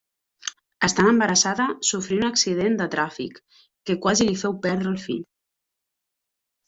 Estant embarassada sofrí un accident de tràfic que quasi li féu perdre el fill.